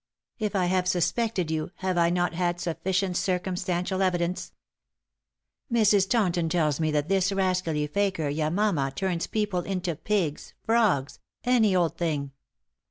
"If I have suspected you, have I not had sufficient circumstantial evidence? Mrs. Taunton tells me that this rascally fakir Yamama turns people into pigs, frogs, any old thing.